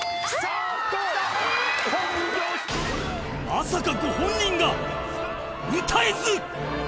［まさかご本人が歌えず］